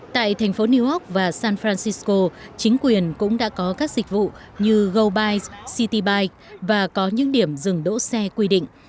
tại thành phố new york và san francisco chính quyền cũng đã có các dịch vụ như gobyte city và có những điểm dừng đỗ xe quy định